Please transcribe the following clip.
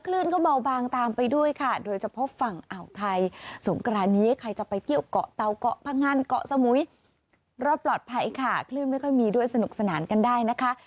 รอบปลอดภัยค่ะคลื่นไม่ค่อยมีด้วยสนุกสนานกันได้นะคะ